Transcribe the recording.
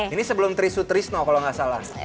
ini sebelum trisutrisno kalau gak salah